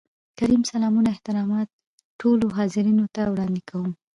کريم : سلامونه احترامات ټولو حاضرينو ته وړاندې کوم.